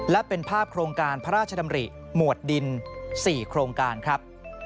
และเป็นภาพโครงการพระราชดำริหมวดดิน๔โครงการครับ